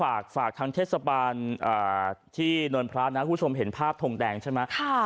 แต่ฝากทางเทศบาลคุณผู้ชมเห็นภาพทงแดงใช่ไหม